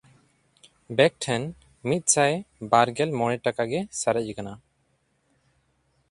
ᱵᱮᱠ ᱴᱷᱮᱱ ᱢᱤᱫᱥᱟᱭ ᱵᱟᱨᱜᱮᱞ ᱢᱚᱬᱮ ᱴᱟᱠᱟ ᱜᱮ ᱥᱟᱨᱮᱡ ᱠᱟᱱᱟ᱾